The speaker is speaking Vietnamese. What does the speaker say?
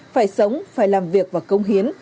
phải sống phải làm việc và công hiến